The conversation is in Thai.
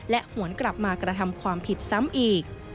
หวนกลับมากระทำความผิดซ้ำอีก